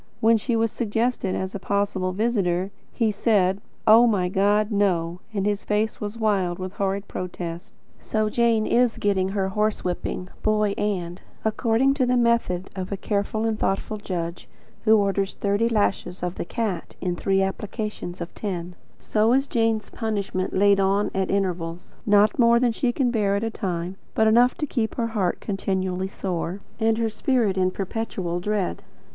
When she was suggested as a possible visitor, he said: "Oh, my God, NO!" and his face was one wild, horrified protest. So Jane is getting her horsewhipping, Boy, and according to the method of a careful and thoughtful judge, who orders thirty lashes of the "cat," in three applications of ten so is Jane's punishment laid on at intervals; not more than she can bear at a time; but enough to keep her heart continually sore, and her spirit in perpetual dread.